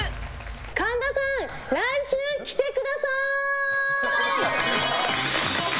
神田さん、来週着てください！